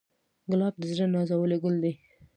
ګلاب د زړه نازولی ګل دی.